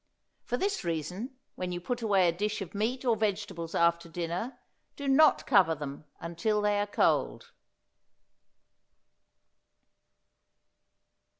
For this reason when you put away a dish of meat or vegetables after dinner do not cover them until they are cold.